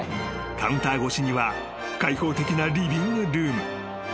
［カウンター越しには開放的なリビングルーム］